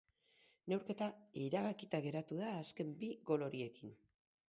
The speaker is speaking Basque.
Neurketa erabakita geratu da azken bi gol horiekin.